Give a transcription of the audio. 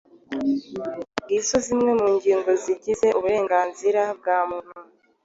Ngizo zimwe mu ngingo zigize uburenganzira bwa muntu.